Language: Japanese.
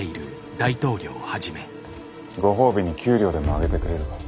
ご褒美に給料でも上げてくれるか？